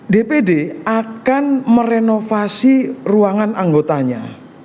dpd akan merenovasi ruangan anggotanya